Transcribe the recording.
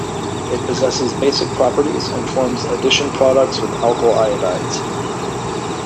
It possesses basic properties and forms addition products with alkyl iodides.